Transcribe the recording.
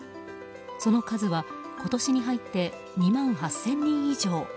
その数は今年に入って２万８０００人以上。